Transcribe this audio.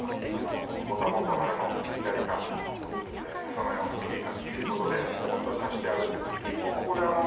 若元春の左か、朝乃山の右かということで、本当差し手争い。